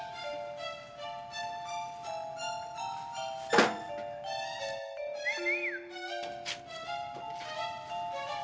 terima kasih pak